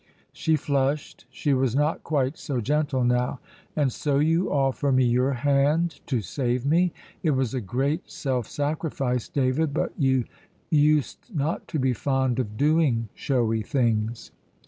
She flushed; she was not quite so gentle now. "And so you offer me your hand to save me! It was a great self sacrifice, David, but you used not to be fond of doing showy things."